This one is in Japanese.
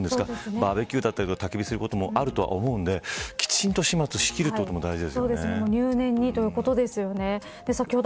バーベキューだったりたき火することもあると思うのできちんと入念にということですよね。